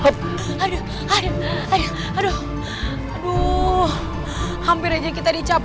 aku akan menganggap